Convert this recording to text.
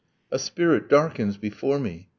. A spirit darkens before me .